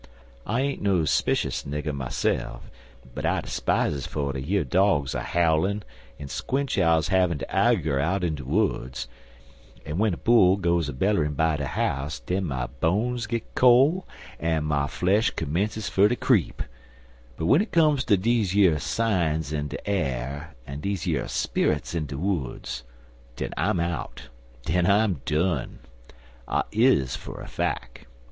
I ain't no spishus nigger myse'f, but I 'spizes fer ter year dogs a howlin' an' squinch owls havin' de agur out in de woods, an' w'en a bull goes a bellerin' by de house den my bones git col' an' my flesh commences fer ter creep; but w'en it comes ter deze yer sines in de a'r an' deze yer sperrits in de woods, den I'm out den I'm done. I is, fer a fack.